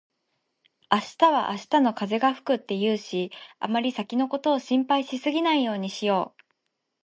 「明日は明日の風が吹く」って言うし、あまり先のことを心配しすぎないようにしよう。